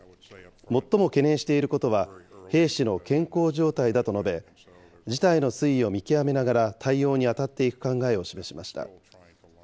最も懸念していることは兵士の健康状態だと述べ、事態の推移を見極めながら対応に当たっていく考えを示しました。